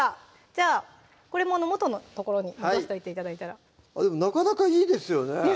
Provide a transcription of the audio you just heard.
じゃあこれ元の所に戻しておいて頂いたらなかなかいいですよね